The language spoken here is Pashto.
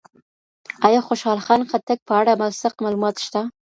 ایا خوشحال خان خټک په اړه موثق معلومات شته؟